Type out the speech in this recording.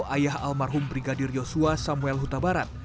ayah almarhum brigadir yosua samuel huta barat